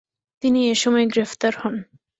তিনি এসময় গ্রেফতার হন।